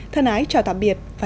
thân ái chào tạm biệt và hẹn gặp lại